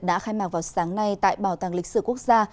đã khai mạc vào sáng nay tại bảo tàng lịch sử quốc gia